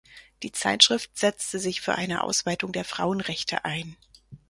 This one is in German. Die Zeitschrift setzte sich für eine Ausweitung der Frauenrechte ein.